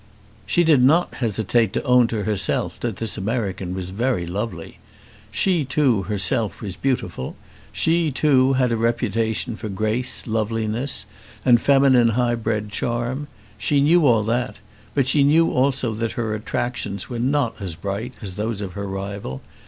She did not hesitate to own to herself that this American was very lovely. She too, herself, was beautiful. She too had a reputation for grace, loveliness, and feminine high bred charm. She knew all that, but she knew also that her attractions were not so bright as those of her rival.